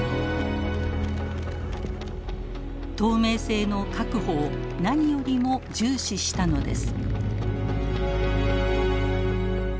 透明性の確保を何よりも重視したのです。